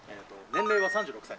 年齢は３６歳。